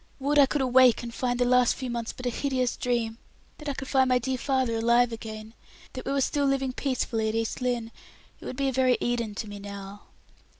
Would I could awake and find the last few months but a hideous dream! that I could find my dear father alive again! that we were still living peacefully at East Lynne. It would be a very Eden to me now."